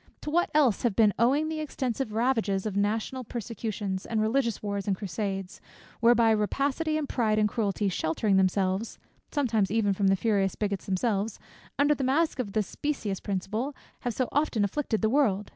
To what else have been owing the extensive ravages of national persecutions, and religious wars and crusades; whereby rapacity, and pride, and cruelty, sheltering themselves (sometimes even from the furious bigots themselves) under the mask of this specious principle, have so often afflicted the world?